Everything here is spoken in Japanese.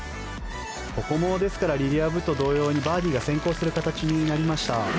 ここも、ですからリリア・ブと同様にバーディーが先行する形になりました。